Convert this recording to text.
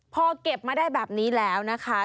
พอเก็บมาได้แบบนี้แล้วนะคะ